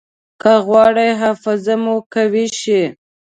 که غواړئ حافظه مو قوي شي.